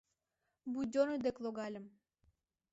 Будённый дек логальым.